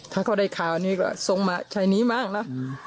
ถ้าเขาได้ข่าวนี้ก็ส่งมาใช้นี้มากนะ